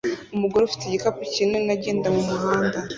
Umugore ufite igikapu kinini agenda mumuhanda